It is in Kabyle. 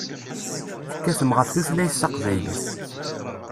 Tekkatem ɣef tutlayt taqbaylit.